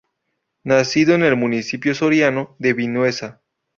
Nacido en el municipio soriano de Vinuesa.